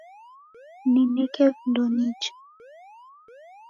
Nineke vindo nije